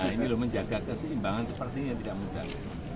ini menjaga keseimbangan seperti ini tidak mudah